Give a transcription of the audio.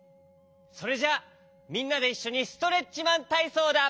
それじゃみんなでいっしょにストレッチマンたいそうだ。